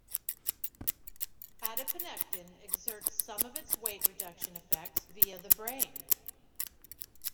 Adiponectin exerts some of its weight reduction effects via the brain.